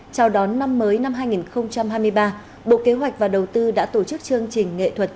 chào đón năm mới năm hai nghìn hai mươi ba bộ kế hoạch và đầu tư đã tổ chức chương trình nghệ thuật